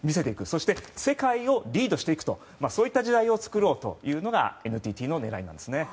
そして、世界をリードしていくとそういった時代を作ろうというのがＮＴＴの狙いなんですね。